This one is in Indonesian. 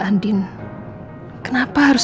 aduh aduh aduh